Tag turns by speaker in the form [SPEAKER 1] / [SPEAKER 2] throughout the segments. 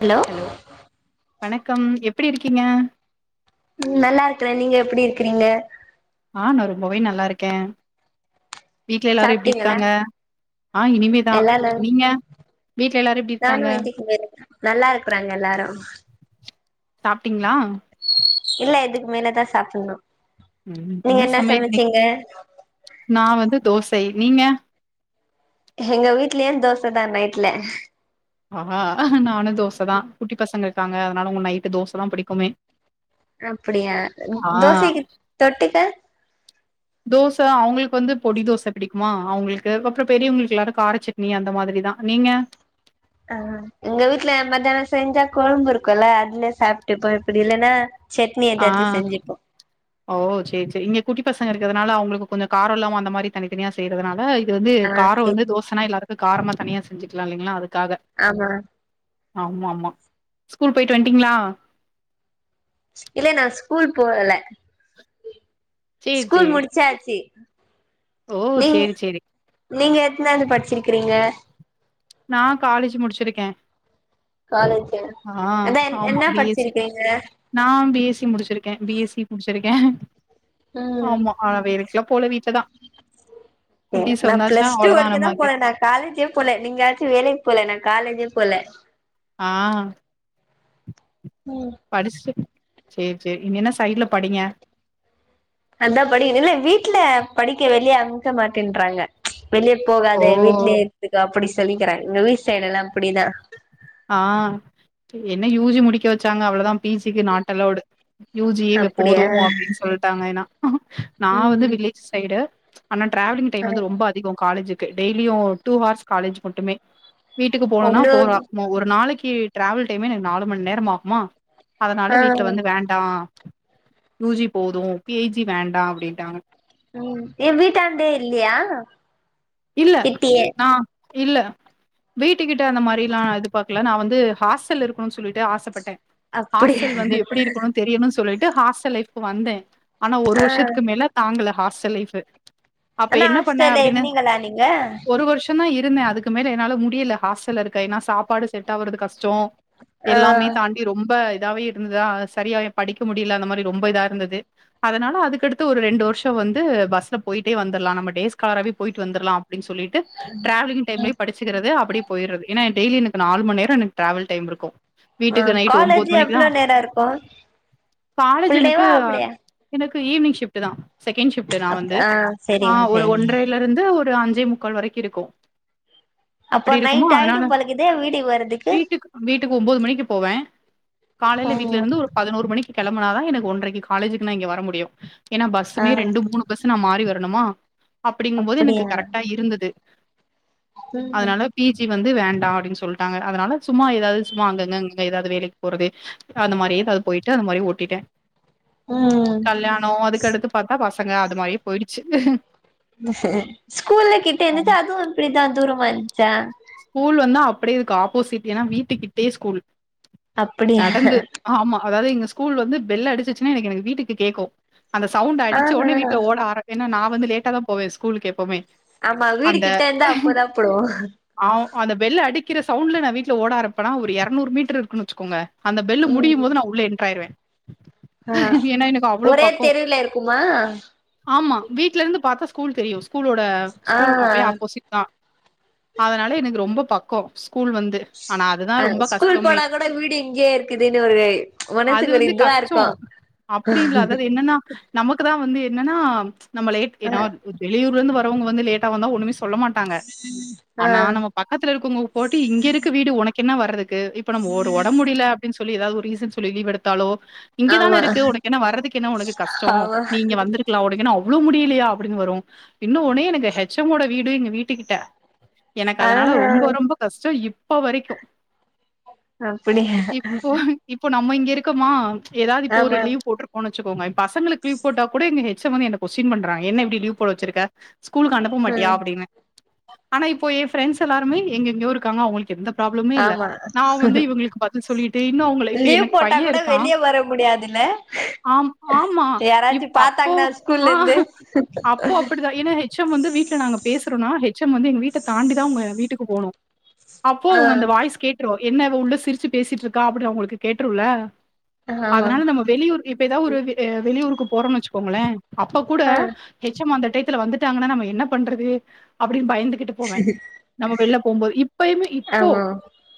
[SPEAKER 1] Hello
[SPEAKER 2] வணக்கம் எப்படி இருக்கீங்க?
[SPEAKER 1] ம் நல்லா இருக்கறே. நீங்க எப்படி இருக்கறீங்க?
[SPEAKER 2] ஆ நா ரொம்பவே நல்லா இருக்கே. வீட்ல எல்லாரு எப்டி
[SPEAKER 1] சாப்ட்டீங்களா?
[SPEAKER 2] இருக்காங்க? ஆ இனிமேதா.
[SPEAKER 1] எல்லாரு நல்
[SPEAKER 2] நீங்க வீட்ல எல்லாரு எப்டி
[SPEAKER 1] நானு
[SPEAKER 2] இருக்காங்க?
[SPEAKER 1] வேண்டிக்கிறே [inaudible] நல்லா இருக்கறாங்க எல்லாரு.
[SPEAKER 2] சாப்ட்டீங்களா?
[SPEAKER 1] இல்ல இதுக்கு மேலதா சாப்படணு.
[SPEAKER 2] ம் என்ன சமையல் இன்னக்? நா வந்து தோ சை நீங்க?
[SPEAKER 1] எங்க வீட்லயு தோசதா நைட்ல.
[SPEAKER 2] ஆஹா ஆஹ நா நானு தோசதா குட்டி பசங்க இரு க்காங்க அதனால அவங்க நைட்டு் தோசதா பிடிக்குமே.
[SPEAKER 1] அப்டியா த்
[SPEAKER 2] ஆ
[SPEAKER 1] தோசைக்கி தொட்டுக்க?
[SPEAKER 2] தோச அவங்களுக்கு வந்து பொடி தோச பிடிக்குமா அவங்களுக்கு அப்றோ பெரியவங்களுக்கு எல்லாரு கார சட்னி அந்த மாதிரிதா. நீங்க?
[SPEAKER 1] ஆ எங்க வீட்ல மத்யான செஞ்ச கொழம்பு இருக்குல்ல அதுலயே சாப்ட்டுப்ப அப்பிடி இல்லன்னா சட்னி
[SPEAKER 2] ஆ
[SPEAKER 1] ஏதாச்சு செஞ்சுப்போ.
[SPEAKER 2] ரி இங்க குட்டி பசங்க இருக்கிறதுனால அவங்களுக்கு கொஞ்ச காரோ இல்லாம அந்த மாரி தனித்தனியா செய்யறதனால இது வந்து
[SPEAKER 1] ஆ
[SPEAKER 2] காரோ வந்து
[SPEAKER 1] செரி
[SPEAKER 2] தோசன்னா எல்லாரு காரமா தனியா செஞ்சுக்கலா இல்லைங்களா அது
[SPEAKER 1] ஆமா
[SPEAKER 2] ஆமா ஆமா. ஸ்கூல் போயிட்டு வன்ட்டீங்களா?
[SPEAKER 1] இல்ல நா ஸ்கூல் போகல.
[SPEAKER 2] சேரி
[SPEAKER 1] ஸ்கூல்
[SPEAKER 2] சேரி
[SPEAKER 1] முடிச்சாச்சு.
[SPEAKER 2] ஓ
[SPEAKER 1] நீ
[SPEAKER 2] சேரி சேரி
[SPEAKER 1] நீங்க எத்தனாவது படிச்சிருக்கிறீங்க?
[SPEAKER 2] நா காலேஜ் முடிச்சிருக்கே.
[SPEAKER 1] காலேஜா
[SPEAKER 2] ஆ
[SPEAKER 1] அதா என்
[SPEAKER 2] ஆமா
[SPEAKER 1] என்ன
[SPEAKER 2] பி எஸ் சி
[SPEAKER 1] படிச்சிருக்கீங்க?
[SPEAKER 2] நா பி எஸ் சி முடிச்சிருக்கே பி எஸ் சி முடிச்சிருக்கே.
[SPEAKER 1] ம்
[SPEAKER 2] ஆமா ஆனா வேலைக்குலா போல வீட்லதா
[SPEAKER 1] ஏங்க
[SPEAKER 2] குட்டீஸ்
[SPEAKER 1] நா
[SPEAKER 2] வந்தாச்சா
[SPEAKER 1] பிளஸ் டூ
[SPEAKER 2] அவ்ளோதா
[SPEAKER 1] வரைக்கிதா
[SPEAKER 2] நமக்கு
[SPEAKER 1] போன நா காலேஜே போல நீங்களாச் சு வேலைக்கி போல நா காலேஜே போல.
[SPEAKER 2] ஆ
[SPEAKER 1] ம்
[SPEAKER 2] படிச்சுட்டு சேரி சேரி இனி என்ன சைட்ல படிங்க.
[SPEAKER 1] அதா படிக்கணு. இல்ல வீட்ல படிக்க வெளிய அனுப்ப மாட்டேன்றாங்க. வெளிய
[SPEAKER 2] ஓ
[SPEAKER 1] போகாத வீட்லயே இருந்துக்க அப்படி சொ சொல்லிக்கிறங்கங்க எங்க வீடு சைடுலாம் அப்படிதான்
[SPEAKER 2] ஆஹ் என்ன யூஜி முடிக்க வச்சாங்க அவ்வளவுதான் பிஜிக்கு நாட்அலோடு யூஜி
[SPEAKER 1] அப்டியா
[SPEAKER 2] போதும் அப்படின்னு சொல்லிட்டாங்க ஏன்னா நான் வந்து
[SPEAKER 1] ம்
[SPEAKER 2] வில்லேஜ் சைடு ஆனா டராவிலங் டைம்
[SPEAKER 1] ஆ
[SPEAKER 2] வந்து ரொம்ப அதிக காலேஜ் டெய்லியும் டூ ஹர்ஸ் காலேஜ் மட்டுமே வீட்டுக்கு போகனும்னா
[SPEAKER 1] ஒன்னு
[SPEAKER 2] போலாம் நாளைக்கு டிராவல் டைமே எனக்கு நாலுமணிநேரம் ஆகுமா
[SPEAKER 1] ஆ
[SPEAKER 2] அதனால வீட்டு்ல வந்து வேண்டாம் யூ ஜி போதும் பி ஜி வேண்டாம் அப்படின்ட்டாங்க
[SPEAKER 1] உம் ஏ வீட்டான்டெ இல்லையா
[SPEAKER 2] இல்ல
[SPEAKER 1] கிட்டியே
[SPEAKER 2] ஆஹ இல்லை வீட்டுக்கிட்ட அந்த மாதிரிலாம் இது பார்க்கல நா வந்து ஹாஸ்டல் இருக்கனும் சொல்லிட்டு ஆசைப்பட்டேன்
[SPEAKER 1] அப்டியா
[SPEAKER 2] ஹாஸ்டல் வந்து எப்படி இருக்கனும் தெரியும்னு சொல்லிட்டு விட்டு ஹாஸ்டல் லைப் வந்தேன் ஆனா ஒரு
[SPEAKER 1] ஆ
[SPEAKER 2] வருஷத்துக்கு மேல தாங்கல ஹாஸ்டல் லைஃப் அப்ப
[SPEAKER 1] ஆனா
[SPEAKER 2] என்ன பண்ணேன்
[SPEAKER 1] ஆஸ்டெல
[SPEAKER 2] அப்டின்னு
[SPEAKER 1] இருந்தீங்களா அன்னைக்கி
[SPEAKER 2] ஒரு வருஷம் தான் இருந்தேன் அதுக்கு மேல என்னால முடியல ஹாஸ்டல் இருக்க ஏன்னா சாப்பாடு செட் ஆறது கஷ்டோம்
[SPEAKER 1] ஆ
[SPEAKER 2] எல்லாமே தாண்டி ரொம்ப வே இருந்ததா சரியாவே படிக்க முடியல அந்த மாதிரி ரொம்ப இதா இருந்தது அதனால அதுக்கடுத்து ஒரு ரெண்டு வருஷம் வந்து பஸ்ல போய்ட்டே வந்தர்லா நம்ம டேஸ்காலர் லாம் சொல்லிட்டு டிராவலிங் டைம்லயே படிச்சக்கிறது அப்படினு போயரது ஏன்ன டெயலி எனக்கு நாலுமணி நேரம் எனக்கு டிராவல் டைம் இருக்கு
[SPEAKER 1] ஆஹ் காலேஜ் எவ்வளோ நேரம் இருக்கும் புல்டேவா ஆப்டேவா
[SPEAKER 2] ஈவின்ங் சிப்ட் தான் செக்கண்ட் சிப்ட் நான் வந்து
[SPEAKER 1] ஆ
[SPEAKER 2] ஆ
[SPEAKER 1] செரிங்க
[SPEAKER 2] ஒரு
[SPEAKER 1] செரிங்க
[SPEAKER 2] ஒன்றரைல இருந்து ஒரு அஞ்சே முக்காள் வரைக்கு இருக்கும்
[SPEAKER 1] அப்போ
[SPEAKER 2] அப்டி இருக்குமா
[SPEAKER 1] நைட்
[SPEAKER 2] அதனால
[SPEAKER 1] ஆயிடும் போலக்குதே வீட்டுக்கு வரதுக்கு
[SPEAKER 2] ஒன்பது மணிக்கு போவேன் காலையில வீட்டுல
[SPEAKER 1] ம்
[SPEAKER 2] இருந்து ஒரு பதினோரு மணிக்கு கிளம்பனாதான் எனக்கு ஒன்றைக்கு காலேஜுக்கு நா இங்க வர முடியும் ஏன்ன
[SPEAKER 1] ஆ
[SPEAKER 2] பஸ்சுமே ரெண்டு மூணு பஸ் நா மாறி வரனும் ணுமா அப்படிங்கும் போது எனக்கு
[SPEAKER 1] அப்டியா
[SPEAKER 2] கரெக்டா இருந்தது.
[SPEAKER 1] ம்
[SPEAKER 2] அதனால பி ஜி வந்து வேண்டா அப்டின்னு சொல்ட்டாங்க. அதனால சும்மா ஏதாவது சும்மா அங்கங்க இங்க ஏதாவது வேலைக்கு போறது அந்த மாரி ஏதாவது போயிட்டு அந்த மாரி ஓட்டிட்டே.
[SPEAKER 1] ம்
[SPEAKER 2] கல்யாணோ அதுக்கடுத்து பாத்தா பச ங்க அது மாரியே போயிடுச்சு.
[SPEAKER 1] [inaudible] ஸ்கூல்லா கிட்ட
[SPEAKER 2] ஆமா
[SPEAKER 1] இருந்துச்சா அதுவு இப்டிதா தூரமா இரு ந்துச்சா?
[SPEAKER 2] ஸ்கூல் வந்து அப்டியே இதுக்கு ஆப்போசிட். ஏன்னா வீட்டுக்கிட்டயே ஸ்கூல்.
[SPEAKER 1] அப்டியா
[SPEAKER 2] நடந்து ஆமா அதாவது எங்க ஸ்கூல் வந்து பெல் அடிச்சுச்சுன்னா எனக்கு எனக்கு வீட்டுக்கு கேக்கு. அந்த சவுண்ட்
[SPEAKER 1] ஆ
[SPEAKER 2] அடிச்ச
[SPEAKER 1] ஆ
[SPEAKER 2] ஒடனே வீட்ல ஓட ஆரம் ஏன்னா நா வந்து லேட்டாதா போவே ஸ்கூலுக்கு எப்போமே.
[SPEAKER 1] ஆமா வீடு கிட்ட இருந்தா அப்டிதா போடுவோ
[SPEAKER 2] ஆ அந்த பெல்லு அடிக்கிற சவுண்ட்ல நா வீட்ல ஓட ஆரம்பிப்பனா ஒரு எரநூறு மீட்டர் இருக்குன்னு வச்சுக்கோங்க. அந்த பெல்லு முடியும்
[SPEAKER 1] ம்
[SPEAKER 2] போது நா உள்ள என்ட்ராயிருவே.
[SPEAKER 1] ஆ
[SPEAKER 2] ஏன்னா எனக்கு அவ்ளோ
[SPEAKER 1] ஒரே
[SPEAKER 2] பக்கோ.
[SPEAKER 1] தெருவுல இருக்குமா
[SPEAKER 2] ஆமா வீட்ல இருந்து பாத்தா ஸ் கூல் தெரியு. ஸ் கூலோட
[SPEAKER 1] ஆ
[SPEAKER 2] ஸ்கூல் அப்டியே ஆப்போசிட்தா. அதனால எனக்கு ரொம்ப பக்கோ ஸ் கூல் வந்து ஆனா அதுதா
[SPEAKER 1] அ
[SPEAKER 2] ரொம்ப
[SPEAKER 1] ஸ்கூல்
[SPEAKER 2] கஷ்டமே
[SPEAKER 1] போனா கூட வீடு இங்கயே இருக்குதுன்னு ஒரு
[SPEAKER 2] அது
[SPEAKER 1] மனசுக்கு ஒரு
[SPEAKER 2] வந்து
[SPEAKER 1] இதுவா
[SPEAKER 2] கஷ்டோ
[SPEAKER 1] இருக்கு
[SPEAKER 2] அப்டி இல்ல அதாது என்னன்னா நமக்குதா வந்து என்னன்னா நம்ம லேட் எ
[SPEAKER 1] ஆ
[SPEAKER 2] நா இது வெளியூர்ல இருந்து வர வங்க வந்து லேட்டா வந்தா ஒண்ணுமே சொ ல்ல மாட்டாங்க
[SPEAKER 1] ஆ
[SPEAKER 2] ஆனா நம்ம பக்கத்துல இருக்கவங்க போட்டு இங்க இருக்கு வீடு உனக் கென்ன வர்றது க்கு இப்ப நம்ம ஒரு ஒடம்பு முடியல அப்டின்னு சொ ல்லி ஏதாவது ஒரு ரீசன் சொல்லி லீவ் எடுத்தாலோ இங்கதான
[SPEAKER 1] ஆமா
[SPEAKER 2] இருக்கு உனக்கு என்ன வர்றதுக்கு என்ன உனக்கு கஷ்டோ?
[SPEAKER 1] ஆமா
[SPEAKER 2] நீ இங்க வந்திருக்கலா உனக்கு என்ன அவ் ளோ முடியலையா அப்டின்னு வரு. இன்னொன்னு எனக்கு ஹெச் எம் ஓட வீடு எங்க வீட்டு கிட்ட எனக்கு அதனால
[SPEAKER 1] ஆஹா
[SPEAKER 2] ரொம்ப ரொம்ப கஷ்டோ இப் ப்ப வரைக்கு
[SPEAKER 1] அப்படியா
[SPEAKER 2] இப்ப நம்ம இங்க இருக்கமா ஏதாவது இப்ப ஒரு
[SPEAKER 1] ஆமா
[SPEAKER 2] லீவ் போட்ரு போன சு போங்க பசங்களுக் லீவ் போட்ட கூடங்க ஸ் வந்து என்னை கொஸ்டின் பண்றாங் என்ன இப்டி லீவ் போட வச்சிருக்க ஸ்கூலுக்கு அனுப்ப மாட்டியா
[SPEAKER 1] ம்
[SPEAKER 2] அப்டின்னு ஆனா இப்போ எ ஃரெண்ட்ஸ் எல்லாருமே எங்க எங்கயோ இருக்காங்க அவுங்களுக்கு எந்த ப்ராப்ளமே இல்ல
[SPEAKER 1] ஆமா
[SPEAKER 2] நா வந்து இவங்களுக்கு பதில் சொல்லிட் இன்னும் உங்க இப்ப
[SPEAKER 1] லீவ்
[SPEAKER 2] எனக்கு
[SPEAKER 1] போட்டா
[SPEAKER 2] பையன்
[SPEAKER 1] கூட
[SPEAKER 2] இருக்கான்
[SPEAKER 1] வெளிய வர முடியாதுல்ல
[SPEAKER 2] ஆ ஆமா
[SPEAKER 1] யாராச்சு
[SPEAKER 2] இப் அப்போ
[SPEAKER 1] பாத்தாங்கன்னா ஸ்கூல்ல இருந்து
[SPEAKER 2] அப்போ அப்டிதான் ஏன்னா ஹெச்சம் வந்து வீட்டுல நாங்க பேசறோனா ஹெச்சம் வந்த வீட்ட தாண்டிதான் உங்க வீட்டுக்கு போனு அப்போ
[SPEAKER 1] ஆ
[SPEAKER 2] உங்க அந்த வாய்ஸ் கேட்ரு என்னவ உள்ள சிரிச்சு பேசிட்டுருக்கா அப்டினு அவங்களுக் கேட்றுல
[SPEAKER 1] ஆமா
[SPEAKER 2] அதனால நம்ம வெளியூர் இப்ப ஏதாவது ஒரு வெளியூருக்கு போறோன் வச் பொங்கலே அப்ப கூட
[SPEAKER 1] ஆ
[SPEAKER 2] ஹெச்சமந்த ட்யத்துல வந்துட்டாங்கன்னா நம்ம என்ன பண்றது அப்டின் பயந்து போவே நம்ம வெளில போகும்போது இப்பயுமே இப்போ
[SPEAKER 1] ஆமா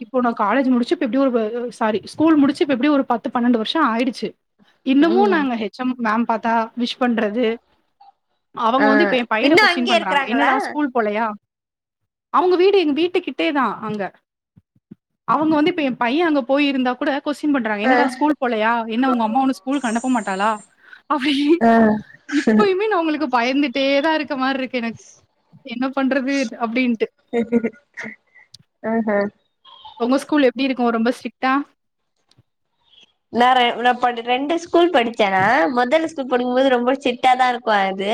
[SPEAKER 2] இப்போனா காலேஜ் முடிச்சு இப்ப எப்டி ஒரு சாரி ஸ்கூல் முடிச்சு இப்ப எப்டியு ஒரு பத்து பன்னெண்டு வருஷம் ஆயிடுச்சு இன்னமு
[SPEAKER 1] ம்
[SPEAKER 2] நாங்க ஹெச்சம் மேம் பாத்தா விஷ் பண்றது
[SPEAKER 1] ஆ
[SPEAKER 2] அவங்க வந்து இப்ப எ பையன
[SPEAKER 1] இன்னு
[SPEAKER 2] கொஸ்டின்
[SPEAKER 1] அங்கயே
[SPEAKER 2] பண்றாங்க
[SPEAKER 1] இருக்கறாங்களா
[SPEAKER 2] என்னடா ஸ்கூல் போலையா அவங்க வீடு எங்க வீட்டுக்கிட்டே தான் அங்க அவங்க வந்து இப்ப எ பையன் அங்க போயிருந்தா கூட கொஸ்டின் பண்றாங்க
[SPEAKER 1] ஆ
[SPEAKER 2] என்னடா ஸ்கூல் போலா என்ன உங்க அம்மா ஸ்கூல் அனுப்ப மாட்டாலா அப்டி
[SPEAKER 1] ஆ
[SPEAKER 2] இப்பயுமே உங்களுக்கு பயந்துட்டே தான் இருக் மாரி இருக்கெனக் என்ன பண்றது அப்டின்ட்டு.
[SPEAKER 1] ஆ ஹா அ
[SPEAKER 2] உங்க ஸ்கூல் எப்டி இருக்கும் ரொம்ப ஸ்ட்ரிட்டா
[SPEAKER 1] நா நா ரெண்டு ஸ்கூல் படிச்சேன்னா முதல் ஸ்கூல் படிக்கும்போது ரொம்ப ஸ்டிட்டா தான் இருக்கு அது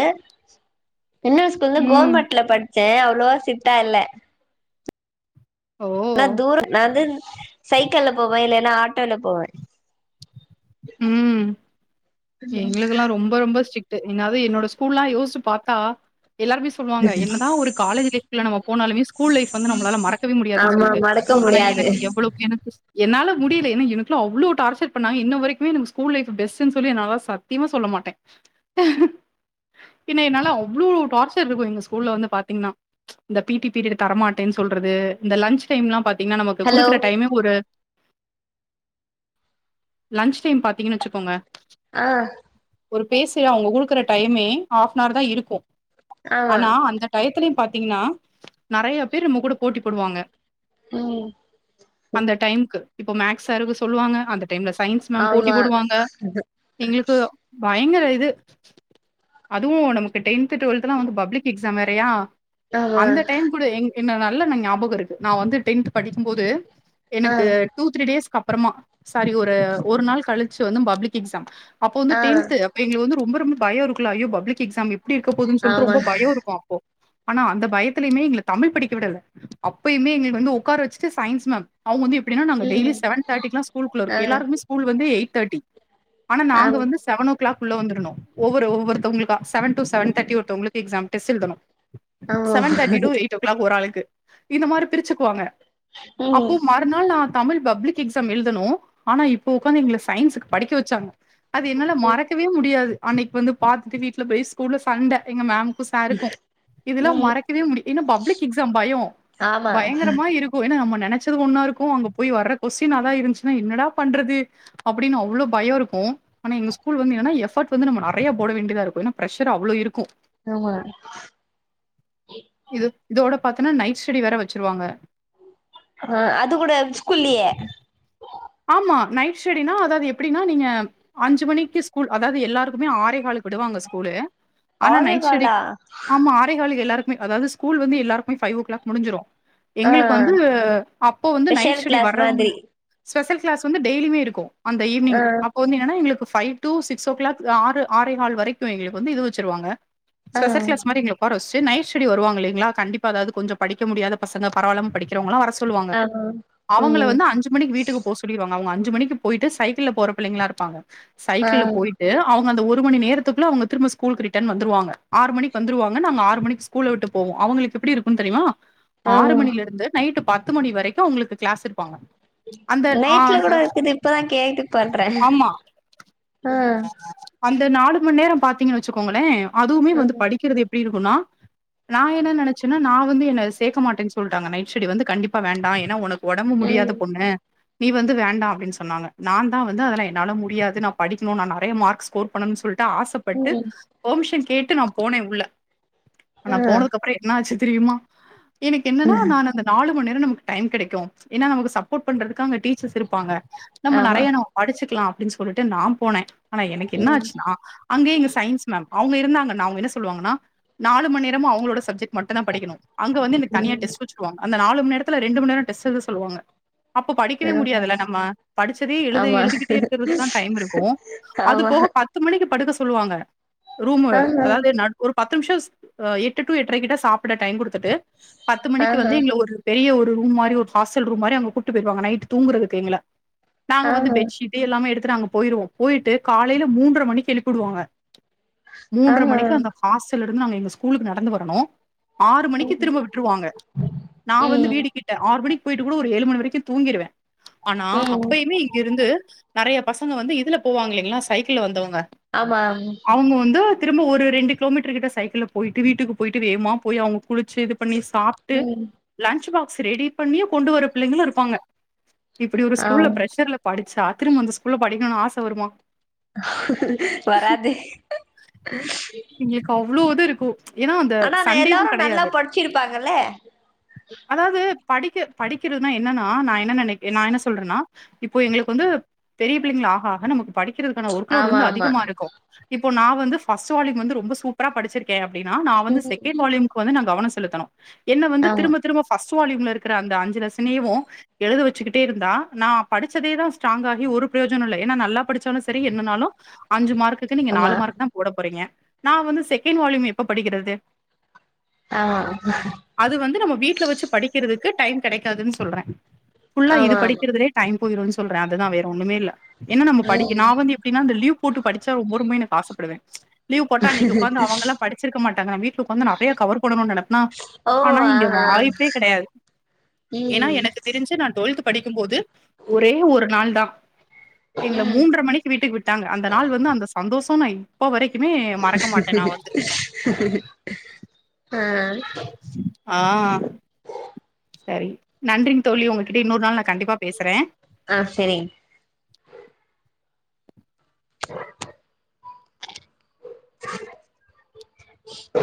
[SPEAKER 1] இன்னோ ஸ்கூல
[SPEAKER 2] ம்.
[SPEAKER 1] கொவர்மெண்ட்ல படிச் சே அவ்ளோவா ஸ்டிட்டா இல்ல
[SPEAKER 2] ஓ!
[SPEAKER 1] ஆனா தூர நது சைக்கிள போவே இல்லன்னா ஆட்டோல போவே
[SPEAKER 2] உம் எங்களுக்ல்லா ரொம்ப ரொம்ப ஸ்டிக் ட் என்னாது என்னோட ஸ்கூல்லாம் யோசிச்சு பாத்தா எல்லாருமே சொல்வாங்க என்னதா ஒரு காலேஜ் லைஃப்ல நம்ம போனாலுமே ஸ்கூல் லைஃப் வந்து நம்மளால மறக்கவே முடியாதுன்னு
[SPEAKER 1] ஆமா
[SPEAKER 2] சொல்ட்டு
[SPEAKER 1] மறக்க
[SPEAKER 2] ஆனா
[SPEAKER 1] முடியாது
[SPEAKER 2] எனக்கு எவ்வளோ எனக்கு என்னால முடில எனா எனக்குலா அவ்ளோ டார்ச்சர் பண்ணாங்க இன்னுவரைக் எப்பவுமே ஸ்கூல் லைஃப் பெஸ்ட்னு சொல்லி என்னாலா சத்தியமா சொல்ல மாட்டே பின்னன்ன அவ்ளோ டார்ச்சர் இருக்கே எங்க ஸ்கூல வந்து பாத்திங்கனா இந்த பீடீ பீரியட் தரமாட்டேனு சொல்றது இந்த லன்ச் டைம்லா பாத் இங்க நமக்கு
[SPEAKER 1] ஹலோ
[SPEAKER 2] குடுக்குற டைமே ஒரு லஞ்ச் டைம் பாத்தீங்கன்னு வச்சுக்கோங்க
[SPEAKER 1] அ
[SPEAKER 2] ஒரு பேசிய அவங்க குடுக்குற டைமே ஹாஃப்னார் தா இருக்கு
[SPEAKER 1] ஆமா
[SPEAKER 2] ஆனா அந்த டயத்துல பாத்தீங்கன்னா நறைய பேர் நம்ம கூட போட்டி போடுவாங்க
[SPEAKER 1] ம்
[SPEAKER 2] அந்த டைம்க்கு இப்ப மேக்ஸாருக்கு சொல்லுவாங்க அந்த டைம்ல சயின்ஸ் மேம் போட்டி
[SPEAKER 1] ஆமா
[SPEAKER 2] போடுவாங்க. எங்களுக்கு பயங்கர இது அதுவு நமக்கு டென்த் டுவல்து லா பப்ளிக் எக்ஸாம் வேறையா
[SPEAKER 1] ஆமா
[SPEAKER 2] அந்த டைம் கூட எங் என்னன்னா நல்ல ந ஞாபகம் இருக்கு நா வந்து டென்த் படிக்கும்போது
[SPEAKER 1] ஆ
[SPEAKER 2] எனக்கு டூ த்ரீ டேஸ் அப்றமா சாரி ஒரு ஒரு நாள் கழிச்சு வந்து பப்ளிக் எக்ஸாம் அப்ப வந்து
[SPEAKER 1] ஆ
[SPEAKER 2] டென்த் அப் எங்களுக்கு வந்து ரொம்ப ரொம்ப பயோ இருக்குல ஐயோ பப்லிக் எக்ஸாமு எப்டி இருக்க போகுதுன்னு சொல்ட்டு
[SPEAKER 1] ஆமா
[SPEAKER 2] ரொம்ப பய இருக்கு அப்போ ஆனா அந்த பயத்திலயுமே எங்கள தமிழ் படிக்க விடல அப்பயுமே எங்களுக்கு வந்து உக்கார வச்சிட்டு சயின்ஸ் மேம் அவங்க வந்து எப்டினா நாங்க
[SPEAKER 1] ம்
[SPEAKER 2] டெய்லி செவன் தேர்டிகுலா ஸ்கூல்குள்ள இரு
[SPEAKER 1] ஆ
[SPEAKER 2] எல்லாருகுமே ஸ்கூல் வந்து எயிட் தேட்டி ஆனா நாங்க
[SPEAKER 1] ஆம்
[SPEAKER 2] வந்து செவன் ஓ க்ளாக் உள்ள வந்துரனும் ஒவ்வொருத்தவங்களுக்கா சவன் டு சவன் தேட்டி ஒருத்தவங்களுக் எக்ஸாம் டெஸ்ட்டெழுதணு
[SPEAKER 1] ஆமா
[SPEAKER 2] seven thirty to eight o'clock ஒரு ஆளுக்கு இந்த மாரி பிரிச்சுக்குவாங்க
[SPEAKER 1] ம்
[SPEAKER 2] அப்போ மறுநாள் நா தமிழ் பப்ளிக் எக்ஸாம் எழுதனு ஆனா இப்ப உக்காந் எங்ள சயின்ஸுக்கு படிக்க வச்சாங்க அது என்னால மறக்கவே முடியாது. அன்னைக்கி வந்து பாத்துட்டு வீட்ல போய் ஸ்கூல்ல சண்ட எங்க மேம் க்கு சாருக்கு இதெல்லா
[SPEAKER 1] ம்
[SPEAKER 2] மறக்கவே முடி ஏன்னா பப்ளிக் எக்ஸாம் பயோ
[SPEAKER 1] ஆமா
[SPEAKER 2] பயங்கரமா இருக்கு ஏன்னா நம்ம நெ னச்சது ஒன்னா இருக்கு அங்க போய் வர்ற கொஸ்டின் அதா இருந்துச்சுன்னா என்னடா பண்றது அப்டின்னு அவ்ளோ பயோ இருக்கு. ஆனா எங்க ஸ்கூல் வந்து என்னன்னா எஃபோர்ட் வந்து நம்ம நெறைய போட வேண்டியதா இருக்கு. ஏன்னா ப்ரஷர் அவ்ளோ இருக்கு
[SPEAKER 1] ஆமா.
[SPEAKER 2] இது இதோட பாத்தன்னா நைட் ஸ்டடி வேற வச்சிருவாங்க.
[SPEAKER 1] ஆ அது கூட ஸ்கூல்லயே
[SPEAKER 2] ஆமா நைட் ஸ்டடினா அதாவது எப்டின்னா நீங்க அஞ்சு மணிக்கு ஸ்கூல் அதாவது எல்லாருக்குமே ஆறே காலுக் விடுவாங்க ஸ்கூலு ஆனா நைட் ஸ்டடிக்
[SPEAKER 1] ஆரகாலா
[SPEAKER 2] ஆமா ஆறே காலு எல்லாரு மே அதாது ஸ்கூல் வந்து எல்லாருக்குமே ஃபைவ் ஓ கிளாக் முடிஞ்சிரு.
[SPEAKER 1] ஆ
[SPEAKER 2] எங்களுக்கு வந்து அப்போ வந்து நைட்
[SPEAKER 1] ஸ்பெஷல்
[SPEAKER 2] ஸ்டெடி
[SPEAKER 1] கிளாஸ்
[SPEAKER 2] வர்றவங்கள
[SPEAKER 1] மாதிரி
[SPEAKER 2] ஸ்பெஷல் கிளாஸ் வந்து டெய்லியுமே இருக்கு அந்த
[SPEAKER 1] ஆ
[SPEAKER 2] ஈவினிங் அப்ப வந்து என்னன்னா எங்களுக்கு five to six o'clock ஆ ஆறு ஆறே ஹால் வரைக்கு எங்களுக்கு வந்து இது வச்சுருவாங்க.
[SPEAKER 1] ஆ
[SPEAKER 2] ஸ்பெஷல் கிளாஸ் மாரி எங்கள உக்கார வச் சு நைட் ஸ்டடி வருவாங்க இல்லைங்களா கண்டிப்பா அதாவது கொஞ்ச படிக்க முடியாத பசங்க பரவால்லாம படிக்கறவங்கள வர சொல்லுவாங்க
[SPEAKER 1] ஆமா
[SPEAKER 2] அவங்கள
[SPEAKER 1] ம்
[SPEAKER 2] வந்து அஞ்சு மணிக்கு வீட் சொல்லிருவாங்க அவங்க அஞ்சு மணிக்கு போயிட்டு சைக்கிள்ல போற பிள்ளைங்களா இருப்பாங்க.
[SPEAKER 1] ஆ
[SPEAKER 2] சைக்கிள்ல போயிட்டு அவங்க அந்த ஒ ரு மணி நேரத்துக்குள்ள அவங்க திரும்ப ஸ்கூலுக்கு ரிட்டர்ன் வந்துருவாங்க. ஆறு மணிக்கி வந்துருவாங்க நாங்க ஆறு மணிக்கி ஸ்கூல விட்டு போவோ. அவங்களுக்கு எப்டி இருக்குன்னு தெரியுமா?
[SPEAKER 1] ஆ
[SPEAKER 2] ஆறு மணில இருந்து நைட்டு பத்து மணி வரைக்கு அவங்களுக்கு கிளாஸ் எடுப்பாங்க.
[SPEAKER 1] நைட்ல கூட இருக்கது இப்பதா கேட்டுப்பட்றே
[SPEAKER 2] ஆமா.
[SPEAKER 1] ஆ
[SPEAKER 2] அந்த நாலு மணி நேரோ பாத்தீங்கன்னு வச்சுக்கோங்களே அதுவுமே வந்து படிக்கிறது எப் டி இருக்குன்னா நா என்ன நெனைச்சேன்னா நா வந்து என்ன சேக்க மாட்டேன்னு சொல்றாங்க நைட் ஸ்டடி வந்து கண்டிப்பா வேண்டா ஏன்னா உனக் ஒடம்பு
[SPEAKER 1] ம்
[SPEAKER 2] முடியாத
[SPEAKER 1] ம்
[SPEAKER 2] பொண்ணு நீ வந்து வேண்டா அப்டின்னு சொன்னாங்க. நான்தா வந்து அதல்லா என்னால முடியாது நா படிக்கணு நா நெறைய மார்க்ஸ் ஸ்கோர் பண்ணனுன் சொல் ட்டு ஆசப்பட்டு
[SPEAKER 1] ம்
[SPEAKER 2] பர்மிஷன் கேட் டு நா போனே உள்ள. ஆனா
[SPEAKER 1] ஆ
[SPEAKER 2] போனதுக்கு அப்றோ என்னாச்சு தெரியுமா? எனக்கு என்னனா நானு அந்த நாலு நேரம் நமக்கு டைம் கெடைக்கு ஏன்னா நமக்கு சப்போர்ட் பண்றதுக்கங்க டீச்சர்ஸ் இருப்பாங்க நம்ம
[SPEAKER 1] ஆமா
[SPEAKER 2] நறையனு படிச்சுக்கலா அப்டின்னு சொல்ட்டு நா போனே ஆனா எனக்கு என்ன
[SPEAKER 1] ம்
[SPEAKER 2] ஆச்சுனா அங்கே எங்க சயின்ஸ் மேம் அவங்க இருந்தாங்கனா அவங்க என்ன சொல்லுவாங்கனா நாலு மந்நேரமு அவங்களோட சப்ஜெக்ட் மட்டு தா படிக்கணு அங்க வந்துஎனக்தனியா
[SPEAKER 1] ம்
[SPEAKER 2] டெஸ்ட் வச்சுருவங்க அந்த நால மணேரத்துல ரெண்டுமண்நேரோ டெஸ்ட் எழுத சொல்வாங்க அப்போ படிக்கவே முடியாதுல்ல நம்ம படிச்சதே எழு
[SPEAKER 1] ஆமா
[SPEAKER 2] எழுதிக்கிட்டே இருக்கிறது தா டைம் இருக்கும் அது
[SPEAKER 1] ஆமா
[SPEAKER 2] போக பத்து மணிக்கு படுக்க சொல்லுவாங்க ரூமு
[SPEAKER 1] ஆஹா
[SPEAKER 2] அதாவது நடு ஒரு பத்து நிமிஷ அஹ் எட்டு டு எட்ரைகிட்ட சாப்பிட டைம் குடுப் துட்டு பத்து மணிக்கு
[SPEAKER 1] ஆஹா
[SPEAKER 2] வந்து எங்கள ஒரு பெரிய ஒரு ரூம் மாரி ஒரு ஹாஸ்ட்டல் ரூம் மாரி அங்க கூட் விட்டு போயிடுவாங்க நைட் தூங்குறக்கு எங்கள நாங்க வந்து
[SPEAKER 1] ஆஹா
[SPEAKER 2] பெட்ஷீட்டு எல்லாமே எடுத்து நாங்க போயிருவோ போயிட்டு காலைல மூன்றர மணிக்கு எழுப்பிடுவாங்க மூன்ற
[SPEAKER 1] ஆஹா
[SPEAKER 2] மணிக்கு அந்த ஹாஸ்ட்டல் ந்து நாங்க எங்க ஸ்கூலுக்கு நடந்து வரனு ஆறு மணிக்கு
[SPEAKER 1] ம்
[SPEAKER 2] திரும்ப விட்டுருவாங்க நா வந்து
[SPEAKER 1] ம்
[SPEAKER 2] வீடு கிட்ட ஆறு மணிக் போய்ட்டு கூட ஒரு ஏழு மணி வரைக்கு தூங்கிடுவே ஆனா
[SPEAKER 1] ம்
[SPEAKER 2] அப்பயுமே இங்க இருந்து நறைய பசங்க வந்து இதுல போவாங்கல்லிங்ளா சைக்கிள வந்தவங்க
[SPEAKER 1] ஆமா
[SPEAKER 2] அவுங்க வந்து திரும்ப ஒரு ரெண்டு கிலோமீட்டர் கிட்ட சைக்கிள போயிட்டு வீட்டுக்கு போயிட்டு வேவுமா போய் அவங்க குளிச்சு இது பண்ணி சாப்ட்டு
[SPEAKER 1] ம்
[SPEAKER 2] லன்ச் பாக் செரி ரெடி பண்ணி கொண்டு வர பிள்ளங்களு இருப்பாங்க இப்டி ஒரு ஸ்கூல்ல
[SPEAKER 1] ஆம்
[SPEAKER 2] ப்ரெஷர்ல படிச்சா திரும்ப அந்த ஸ்கூல்ல படிக்கணு ஆச வருமா
[SPEAKER 1] வராது [inaudible]
[SPEAKER 2] முலுவது இருக்கு
[SPEAKER 1] ஆனா நா எல்லாரு நல்லா படிச்சிருப்பாங்கல
[SPEAKER 2] அதாவது படி படிக் படிக்கிறதுதா என்னன்னா நா என்ன நெனைக் எ நா என்ன சொல்றனா இப்போ எங்களுக்கு வந்து பெரிய பிள்ளைங்கள் ஆக ஆக நமக்கு படிக்கிறதுக்கான ஒர்க்லோடு
[SPEAKER 1] ஆமா
[SPEAKER 2] வந்து
[SPEAKER 1] ஆமா
[SPEAKER 2] அதிகமா இருக்கு இப் இப்ப நா வந்து ஃபர்ஸ்ட் வால்யும் வந்து ரொம்ப சூப்பரா படிச்சிருக்கே அப்டினா நா வந்து
[SPEAKER 1] ம்
[SPEAKER 2] செகண்ட் வால்யூம்க்கு வந்து நா கவன செலுத்தணு என்ன வந்து
[SPEAKER 1] ஆமா
[SPEAKER 2] திரும ஃபர்ஸ்ட் வால்யூம்ல இருக்குற அந்த அஞ்சு லெசனயும் எழுத வச்சுக்கிட்டே இருந்தா நா படிச்சதேதா ஸ்டராங் ஆகி ஒரு பிரயோஜன இல்ல எனா நல்லா படிச்சாலு செரி என்னாலு அஞ்சு மார்க் இதுக்கு நீங்க
[SPEAKER 1] ஆமா
[SPEAKER 2] நாலு மார்க் தா போட போறீங்க நா வந்து செகண்ட் வால்யூம் எப்ப படிக்கிறது
[SPEAKER 1] ஆ
[SPEAKER 2] அது வந்து நம்ம வீட்ல வச்சு படிக்கிறதுக்கு டைம் கிடைக்காதுனு சொல்றே ஃபுல்லா இது
[SPEAKER 1] ஆமா
[SPEAKER 2] படிக்கறதுலே டைம் போயிரு சொல்ற அது தா வேற ஒன்னுமே இல்ல என்ன நம்ம படிக்க
[SPEAKER 1] ம்
[SPEAKER 2] நா வந்து எப்டின்னா இந்த லியூ கூட்டு படிச்சா ரொம்பொருமைனு ஆசப்படுவே லீ்வு போட்டா அன்னிக்கு உட்காந்து அவுங்கல்லா படிச்சிருக்க மாட் ங்க நா வீட்ல உக்காந்து நெறைய கவர் போணும்னு நெனப்னா
[SPEAKER 1] ஓ
[SPEAKER 2] ஆனா இங்க
[SPEAKER 1] ஆஹா
[SPEAKER 2] வாய்ப் [unintelligible] கெடையாது ஏனா
[SPEAKER 1] ம்
[SPEAKER 2] எனக்கு தெரிஞ்சு நா டுவெல்த் படிக்கும்போது ஒரே ஒரு நாள் தா எங்கள
[SPEAKER 1] ம்
[SPEAKER 2] மூன்ற மணிக்கு வீட்டுக்கு விட்டாங்க அந்த நாள் வந்து அந்த சந்தோஷ் ஆமா இப்பவரைக்
[SPEAKER 1] [inaudible]
[SPEAKER 2] [inaudible] ஆ சரி நன்றிங்க தோழி உங்ககிட்ட இன்னொரு நாள் நா கண்டிப்பா பேசுறே
[SPEAKER 1] ஆ சரிங் அன் இன்டஜிபல் [unintelligible]